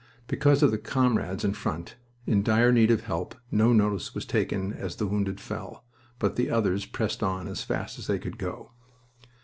Because of the comrades in front, in dire need of help, no notice was taken as the wounded fell, but the others pressed on as fast as they could go.